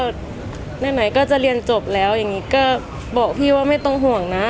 ไหนก็จะเรียนจบแล้วอย่างนี้ก็บอกพี่ว่าไม่ต้องห่วงนะ